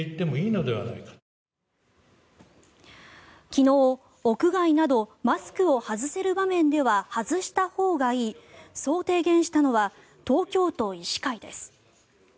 昨日、屋外などマスクを外せる場面では外したほうがいいそう提言したのは東京都医師会です。